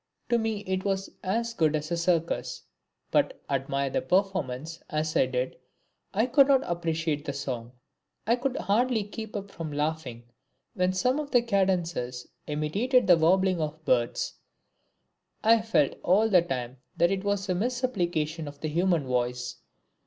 To me it was as good as a circus. But, admire the performance as I did, I could not appreciate the song. I could hardly keep from laughing when some of the cadenzas imitated the warbling of birds. I felt all the time that it was a misapplication of the human voice.